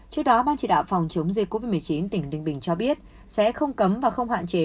trước đó ban chỉ đạo phòng chống dịch covid một mươi chín tỉnh ninh bình cho biết sẽ không cấm và không hạn chế